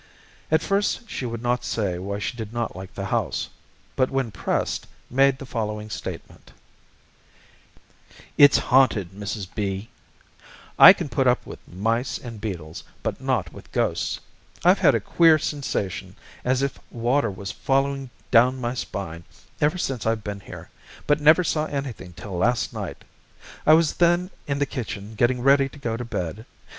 At first she would not say why she did not like the house, but when pressed made the following statement: "It's haunted, Mrs. B . I can put up with mice and beetles, but not with ghosts. I've had a queer sensation, as if water was falling down my spine, ever since I've been here, but never saw anything till last night. I was then in the kitchen getting ready to go to bed.